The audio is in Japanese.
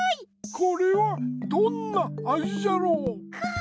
これはどんなあじじゃろう？か！